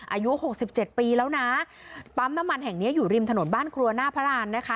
อายุหกสิบเจ็ดปีแล้วนะปั๊มน้ำมันแห่งเนี้ยอยู่ริมถนนบ้านครัวหน้าพระรานนะคะ